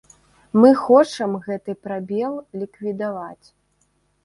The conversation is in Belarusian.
Мы хочам гэты прабел ліквідаваць.